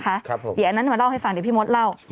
ครับผมเดี๋ยวอันนั้นเราเล่าให้ฟังที่พี่ม็อตเล่า